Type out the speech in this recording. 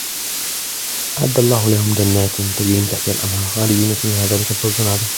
أعد الله لهم جنات تجري من تحتها الأنهار خالدين فيها ذلك الفوز العظيم